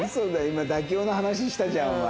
今妥協の話したじゃんお前。